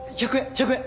１００円。